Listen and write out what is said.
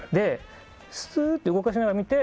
スーッて動かしながら見て。